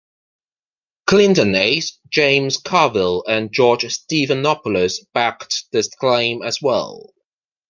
Clinton aides James Carville and George Stephanopoulos backed this claim as well.